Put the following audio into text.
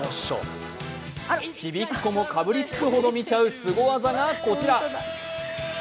ちびっ子もかぶりつくほど見ちゃうすご技がこちら。